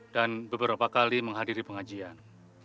dan beberapa kali menghadiri pengajian